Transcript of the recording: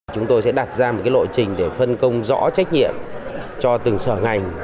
chúng tôi sẽ đặt ra một lộ trình để phân công rõ trách nhiệm cho từng sở ngành